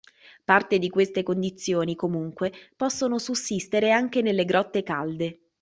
Parte di queste condizioni, comunque, possono sussistere anche nelle grotte calde.